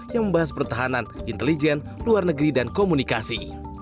yang membahas pertahanan intelijen luar negeri dan komunikasi